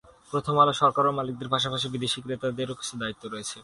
প্রথম আলো সরকার ও মালিকদের পাশাপাশি বিদেশি ক্রেতাদেরও তো কিছু দায়িত্ব রয়েছে।